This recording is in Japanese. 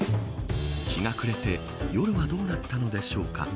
日が暮れて夜はどうなったのでしょうか。